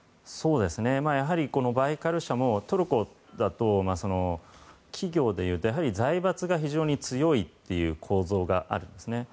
やはりバイカル社もトルコだと企業でいうと財閥が非常に強い構造があるんです。